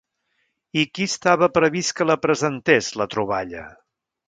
I qui estava previst que la presentés, la troballa?